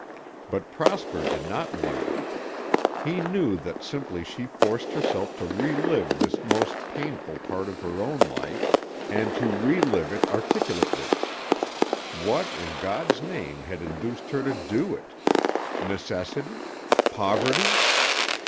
But Prosper did not wonder. He knew that simply she forced herself to re live this most painful part of her own life and to re live it articulately. What, in God's name, had induced her to do it? Necessity? Poverty?